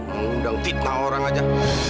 mengundang titna orang aja